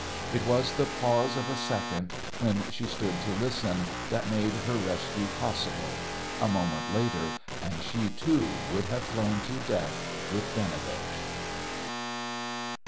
It was the pause of a second, when she stood to listen, that made her rescue possible. A moment later and she, too, would have flown to death with Binovitch.